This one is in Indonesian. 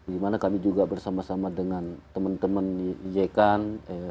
dimana kami juga bersama sama dengan temen temen ykan